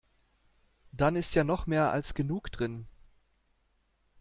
Dann ist ja noch mehr als genug drin.